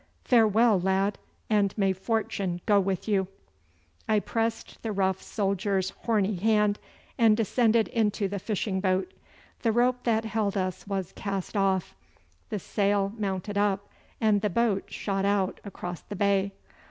Farewell, lad, and may fortune go with you!' I pressed the rough soldier's horny hand, and descended into the fishing boat. The rope that held us was cast off, the sail mounted up, and the boat shot out across the bay.